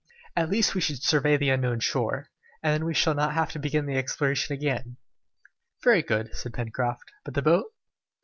At least we should survey the unknown shore, and then we shall not have to begin the exploration again." "Very good," said Pencroft. "But the boat?"